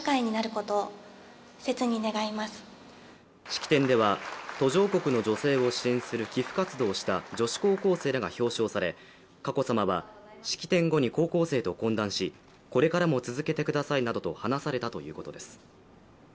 式典では、途上国の女性を支援する寄付活動をした女子高校生らが表彰され佳子さまは、式典後に高校生と懇談しこれからも続けてくださいなどと話されたということです。